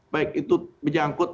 baik itu menyangkut